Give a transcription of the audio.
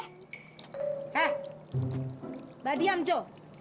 hah berdiam jo